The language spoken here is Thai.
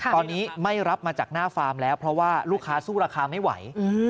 ตอนนี้ไม่รับมาจากหน้าฟาร์มแล้วเพราะว่าลูกค้าสู้ราคาไม่ไหว